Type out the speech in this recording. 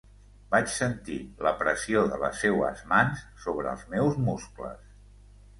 Vaig sentir la pressió de les seues mans sobre els meus muscles.